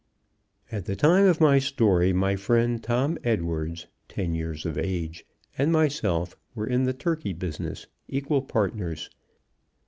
At the time of my story, my friend Tom Edwards (ten years of age) and myself were in the turkey business, equal partners.